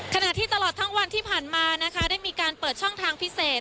ขณะที่ตลอดทั้งวันที่ผ่านมานะคะได้มีการเปิดช่องทางพิเศษ